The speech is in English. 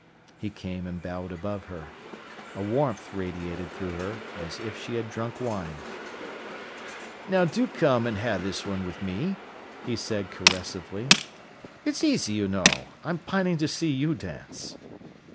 He came and bowed above her. A warmth radiated through her as if she had drunk wine. "Now do come and have this one wi' me," he said caressively. "It's easy, you know. I'm pining to see you dance."